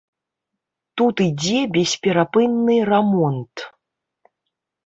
Тут ідзе бесперапынны рамонт.